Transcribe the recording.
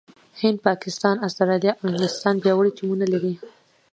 هند، پاکستان، استراليا او انګلستان پياوړي ټيمونه لري.